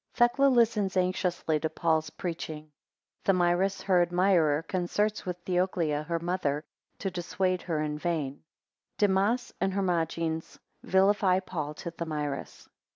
1 Thecla listens anxiously to Paul's preaching. 5 Thamyris, her admirer, concerts with Theoclia her mother to dissuade her, 12 in vain. 14 Demas and Hermogenes vilify Paul to Thamyris.